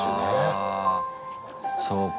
そうか。